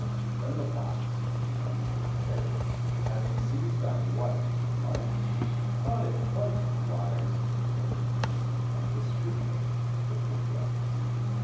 Then the Fox, whom none could parry, Having seized on what he might, Thought it quite unwise to tarry, And discreetly took to flight.